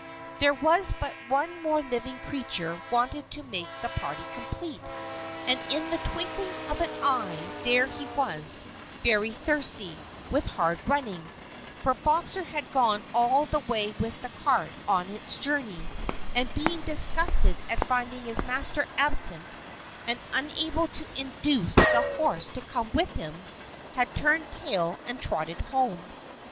There was but one more living creature wanted to make the party complete, and in the twinkling of an eye, there he was, very thirsty with hard running, for Boxer had gone all the way with the cart on its journey, and being disgusted at finding his master absent, and unable to induce the horse to come with him, had turned tail and trotted home.